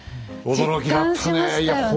驚きだったね。